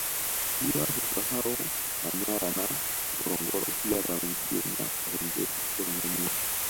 Bila kusahau Manyara na Ngorongoro pia Tarangire na Serengeti huko Tanzania